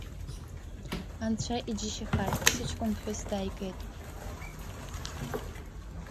Анцәа иџьшьахартә сыҷкәын ԥҳәыс дааигеит.